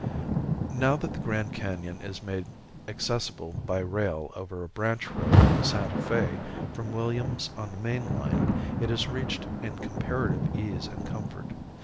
Now that the Grand Canon is made accessible by rail over a branch road of the Santa Fe from Williams on the main line, it is reached in comparative ease and comfort.